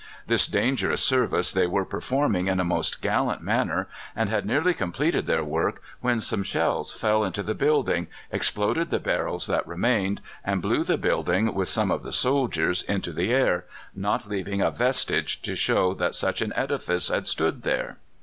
This dangerous service they were performing in a most gallant manner, and had nearly completed their work, when some shells fell into the building, exploded the barrels that remained, and blew the building, with some of the soldiers, into the air, not leaving a vestige to show that such an edifice had stood there.